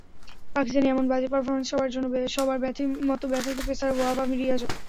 পাকিস্তানের এমন বাজে পারফরম্যান্সে অন্য সবার মতো ব্যথিত পেসার ওয়াহাব রিয়াজও।